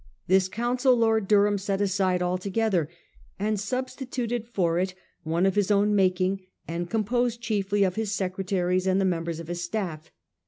This council Lord Durham set aside altogether, and substituted for it one of his own making, and composed chiefly of his secretaries and the members of his staff.